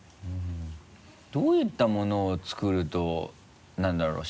どういったものを作ると何だろう？